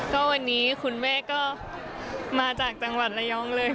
ก็วันนี้คุณแม่ก็มาจากจังหวัดระยองเลย